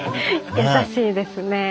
優しいですね。